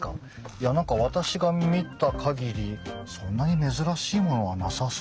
いや何か私が見た限りそんなに珍しいものはなさそうですけど。